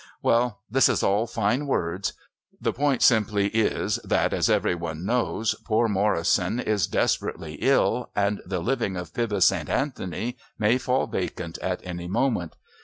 Well, this is all fine words. The point simply is that, as every one knows, poor Morrison is desperately ill and the living of Pybus St. Anthony may fall vacant at any moment.